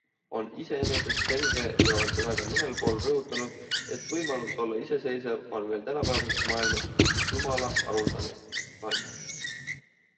On iseenesest selge ja olen seda ka mõnel pool rõhutanud, et võimalus olla iseseisev on veel tänapäevaseski maailmas Jumala haruldane and.